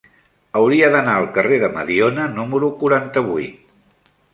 Hauria d'anar al carrer de Mediona número quaranta-vuit.